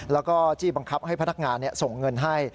แล้วก็จี้บังคับให้พนักงานส่งเงินให้